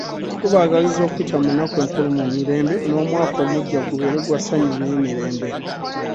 Tubaagaliza okuyita mu nnaku enkulu mu mirembe n'omwaka omuggya gubeere gwa ssanyu n'emirembe.